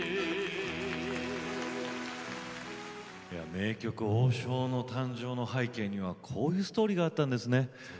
名曲「王将」の誕生にはこういうストーリーがあったんですね。